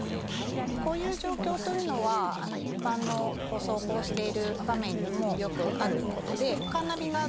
こういう状況というのは一般の走行している場面にもよくあることで。